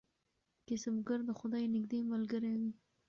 کسبګر د خدای نږدې ملګری وي.